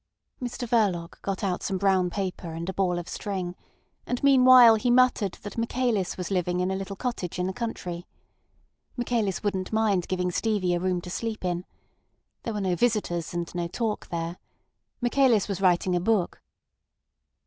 Mr Verloc got out some brown paper and a ball of string; and meanwhile he muttered that Michaelis was living in a little cottage in the country. Michaelis wouldn't mind giving Stevie a room to sleep in. There were no visitors and no talk there. Michaelis was writing a book.